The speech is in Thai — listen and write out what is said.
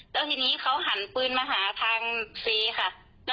แล้วทีนี้เขาหันปืนมาหาทางเฟย์ค่ะ